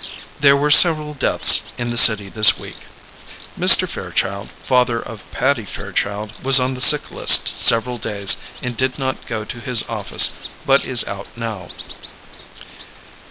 There were several deaths in the city this week. Mr. Fairchild father of Patty Fairchild was on the sick list several days and did not go to his office but is out now.